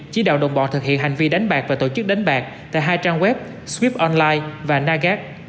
chỉ đạo đồng bọn thực hiện hành vi đánh bạc và tổ chức đánh bạc tại hai trang web swip online và nagac